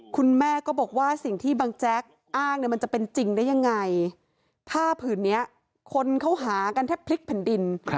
คุณแม่ก็บอกว่าสิ่งที่บังแจ๊กอ้างเนี่ยมันจะเป็นจริงได้ยังไงผ้าผืนนี้คนเขาหากันแทบพลิกแผ่นดิน